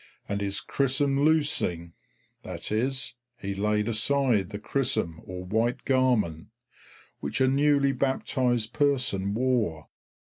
] and his chrisom loosing [Footnote: That is, he laid aside the chrisom or white garment which a newly baptised person wore.